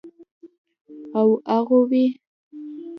او اغوئ.